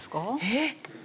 えっ？